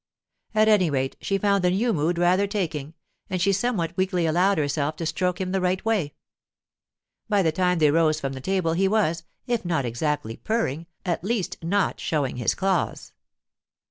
At any rate, she found the new mood rather taking, and she somewhat weakly allowed herself to stroke him the right way. By the time they rose from the table he was, if not exactly purring, at least not showing his claws.